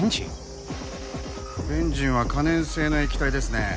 ベンジンは可燃性の液体ですね。